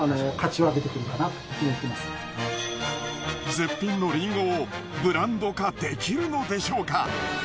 絶品のりんごをブランド化できるのでしょうか？